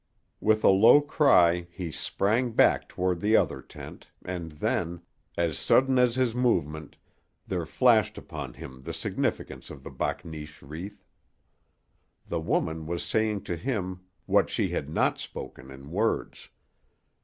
With a low cry he sprang back toward the other tent, and then, as sudden as his movement, there flashed upon him the significance of the bakneesh wreath. The woman was saying to him what she had not spoken in words.